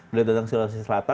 beliau datang sulawesi selatan